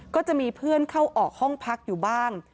ก็จะมีเพื่อนเข้าออกห้องพักอยู่บ้าง